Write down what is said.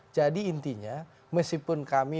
jadi intinya meskipun kami